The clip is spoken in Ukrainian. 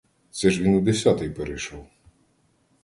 Це ж він у десятий перейшов.